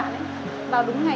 nhưng mà nếu mà